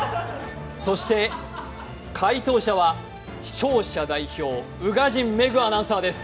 そして回答者は視聴者代表・宇賀神メグアナウンサーです。